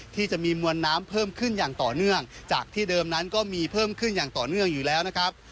ที่จะมีมวลน้ำเพิ่มขึ้นอย่างต่อเนื่องจากที่เดิมนั้นก็มีเพิ่มขึ้นอย่างต่อเนื่องอยู่แล้วนะครับ